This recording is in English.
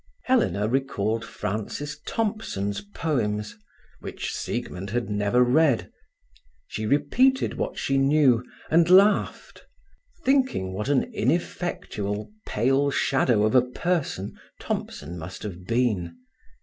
Helena recalled Francis Thompson's poems, which Siegmund had never read. She repeated what she knew, and laughed, thinking what an ineffectual pale shadow of a person Thompson must have been.